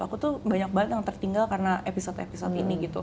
aku tuh banyak banget yang tertinggal karena episode episode ini gitu